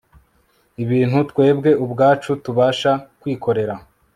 Ibintu Twebwe Ubwacu Tubasha Kwikorera